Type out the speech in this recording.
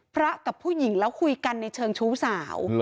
พระกับผู้หญิงแล้วคุยกันในเชิงชู้สาว